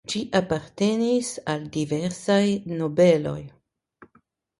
Ĝi apartenis al diversaj nobeloj.